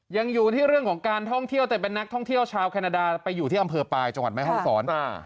ยังอยู่ที่เรื่องของการท่องเที่ยวแต่เป็นนักท่องเที่ยวชาวแคนาดาไปอยู่ที่อำเภอปลายจังหวัดแม่ห้องศร